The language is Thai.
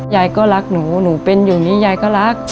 ยายก็รักหนูหนูเป็นอยู่นี้ยายก็รัก